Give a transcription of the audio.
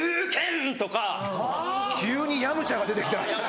急にヤムチャが出てきた。